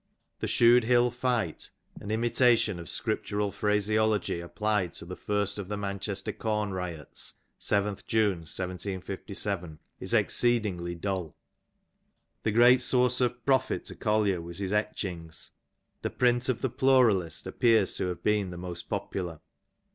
The Shude HUl Fight^ an imitation of Scriptural phraseology applied to the first of the Manchester corn riots (7th June 1757), is exceedingly dull. The great source of profit to Oollier was his etchings. The print of "The Pluralist"'' appears to have been the most popular.